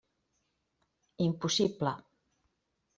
Impossible!